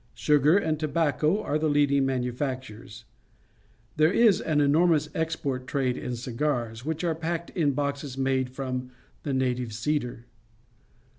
Sugar and tobacco are the leading manufac tures. There is an enormous export trade in cigars, which are packed in boxes made from the native cedar.